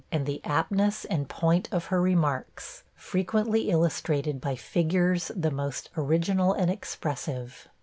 . and the aptness and point of her remarks, frequently illustrated by figures the most original and expressive.